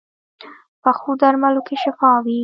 پخو درملو کې شفا وي